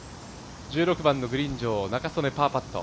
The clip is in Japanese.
１６番のグリーン上、仲宗根パーパット。